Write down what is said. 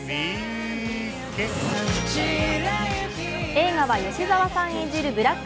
映画は吉沢さん演じるブラック